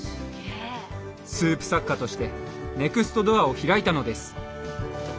スープ作家としてネクストドアを開いたのです。